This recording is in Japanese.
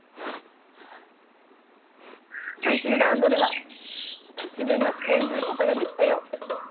最終ラウンドでは、自分らしく演じることができたよ。